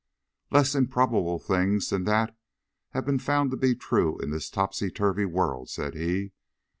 "Less improbable things than that have been found to be true in this topsy turvy world," said he.